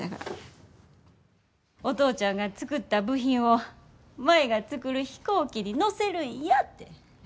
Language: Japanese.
お父ちゃんが作った部品を舞が作る飛行機に載せるんやって。